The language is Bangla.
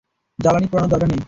জ্বালানী পোড়ানোর দরকার নেই।